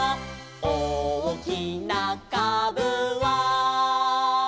「おおきなかぶは」